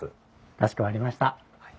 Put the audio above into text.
かしこまりました。